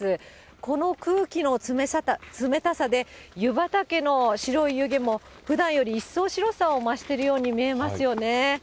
この空気の冷たさで、湯畑の白い湯気も、ふだんより一層白さを増しているように見えますよね。